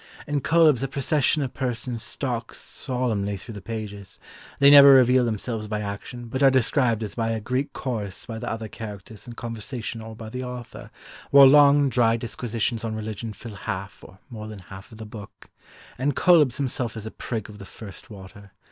In Cœlebs a procession of persons stalks solemnly through the pages; they never reveal themselves by action, but are described as by a Greek chorus by the other characters in conversation or by the author, while long dry disquisitions on religion fill half, or more than half, of the book, and Cœlebs himself is a prig of the first water.